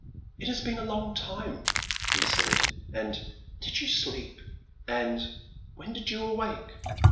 It has been a long time, " we said ; and ;Did you sleep? and ;When did you awake?